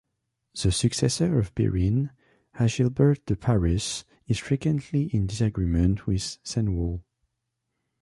The successor of Birin, Agilbert de Paris, is frequently in disagreement with Cenwalh.